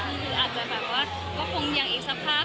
คืออาจจะแบบว่าก็คงอย่างอีกสักคราบ